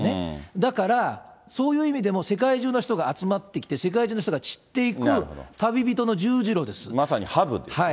だからそういう意味でも世界中の人が集まってきて、世界中の人がまさにハブですね。